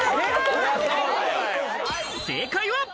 正解は。